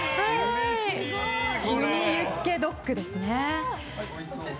雲丹ユッケドッグです。